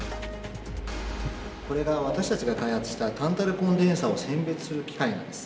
これが私たちが開発したタンタルコンデンサを選別する機械なんです。